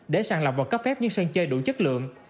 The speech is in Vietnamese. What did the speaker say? để sàng lọc và cấp phép những sân chơi đủ chất lượng